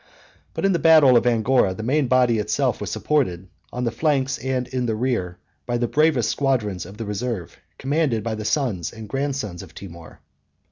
42 But in the battle of Angora, the main body itself was supported, on the flanks and in the rear, by the bravest squadrons of the reserve, commanded by the sons and grandsons of Timour.